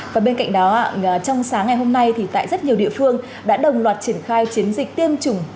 và bên cạnh đó trong sáng ngày hôm nay thì tại rất nhiều địa phương đã đồng loạt triển khai chiến dịch tiêm chủng